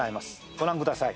ご覧ください。